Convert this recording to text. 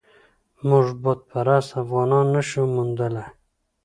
موږ بت پرست افغانان نه شو موندلای.